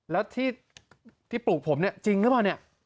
แล้วที่ปลูกผมจริงหรือเปล่า